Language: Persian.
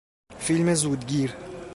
فیلم زودگیر